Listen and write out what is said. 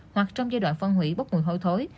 hoặc trong giai đoạn phân hủy bốc mùi hôi thối